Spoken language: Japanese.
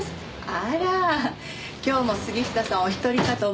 あら今日も杉下さんお一人かと思いましたら。